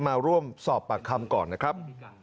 มาร่วมสอบปากคำก่อนนะครับ